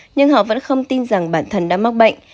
nhưng họ vẫn không tin rằng bản thân đã mắc bệnh